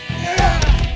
saya yang menang